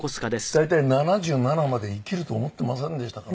大体７７まで生きると思ってませんでしたから。